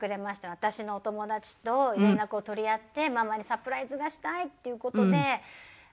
私のお友達と連絡を取り合ってママにサプライズがしたいっていう事で。